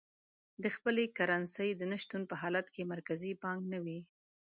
د خپلې کرنسۍ د نه شتون په حالت کې مرکزي بانک نه وي.